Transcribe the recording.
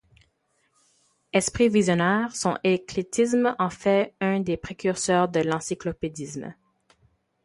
Esprit visionnaire, son éclectisme en fait un des précurseurs de l'encyclopédisme.